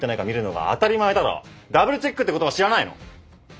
ダブルチェックって言葉知らないの？